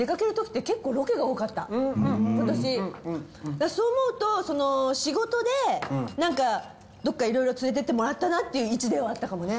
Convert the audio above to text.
だからそう思うと仕事で何かどっか色々連れてってもらったなっていう位置ではあったかもね。